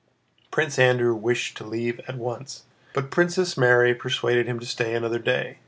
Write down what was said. Prince Andrew wished to leave at once, but Princess Mary persuaded him to stay another day.